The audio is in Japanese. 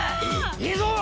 いいぞ！